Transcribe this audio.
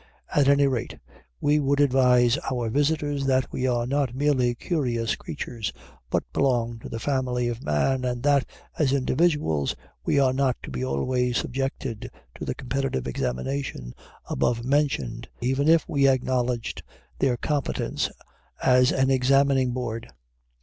At any rate, we would advise our visitors that we are not merely curious creatures, but belong to the family of man, and that, as individuals, we are not to be always subjected to the competitive examination above mentioned, even if we acknowledged their competence as an examining board.